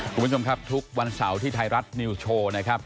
คุณผู้ชมครับทุกวันเสาร์ที่ไทยรัฐนิวส์โชว์นะครับ